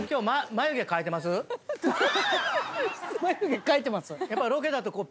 「眉毛描いてます」